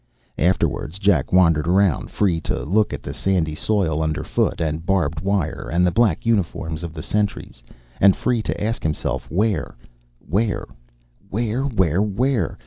Afterwards, Jack wandered around, free to look at the sandy soil underfoot and barbed wire and the black uniforms of the sentries, and free to ask himself where, where, wherewherewhere?